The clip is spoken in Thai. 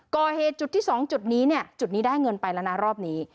ก่อเหตุจุดที่๒จุดนี้เนี่ยจุดนี้ได้เงินไปแล้วนะรอบนี้